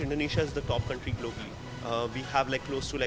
indonesia adalah negara terbaik di seluruh dunia